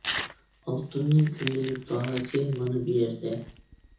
ئالتۇننىڭ كۈندىلىك باھاسى مانا بۇ يەردە!